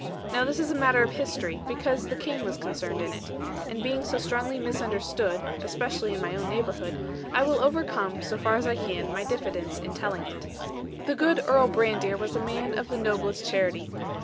Now this is a matter of history, because the King was concerned in it; and being so strongly misunderstood, (especially in my own neighbourhood, I will overcome so far as I can) my diffidence in telling it. The good Earl Brandir was a man of the noblest charity.